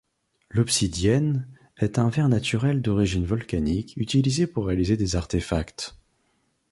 L'obsidienne est un verre naturel d'origine volcanique utilisé pour réaliser des artefacts.